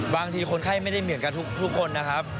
คนไข้ไม่ได้เหมือนกันทุกคนนะครับ